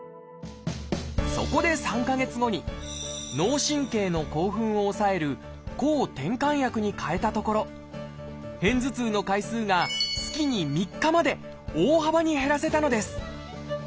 そこで３か月後に脳神経の興奮を抑える抗てんかん薬に替えたところ片頭痛の回数が月に３日まで大幅に減らせたのです。